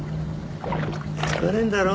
疲れるだろ